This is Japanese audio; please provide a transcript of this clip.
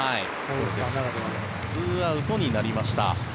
２アウトになりました。